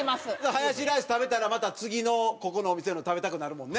ハヤシライス食べたらまた次のここのお店の食べたくなるもんね。